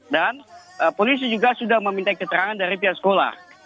dan polisi juga sudah meminta keterangan dari pihak sekolah